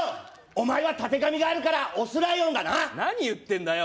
お前はたてがみがあるからオスライオンだな何言ってんだよ